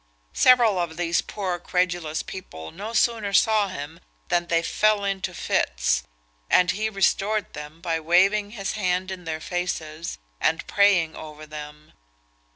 Several of these poor credulous people no sooner saw him than they fell into fits, and he restored them by waving his hand in their faces, and praying over them.